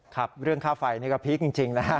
ครับเรื่องค่าไฟนี่ก็พีคจริงนะฮะ